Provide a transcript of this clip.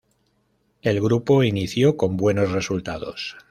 El grupo inició con buenos resultados.